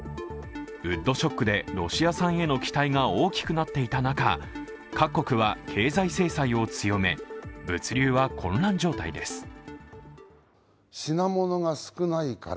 ウッドショックでロシア産への期待が多くなっていた中、各国は経済制裁を強め物流は混乱状態です。